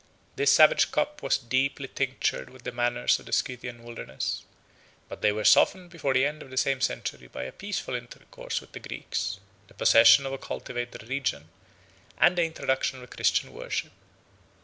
This savage cup was deeply tinctured with the manners of the Scythian wilderness; but they were softened before the end of the same century by a peaceful intercourse with the Greeks, the possession of a cultivated region, and the introduction of the Christian worship.